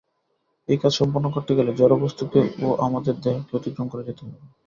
এই কাজ সম্পন্ন করতে গেলে জড় বস্তুকে ও আমাদের দেহকে অতিক্রম করে যেতে হবে।